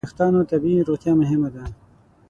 د وېښتیانو طبیعي روغتیا مهمه ده.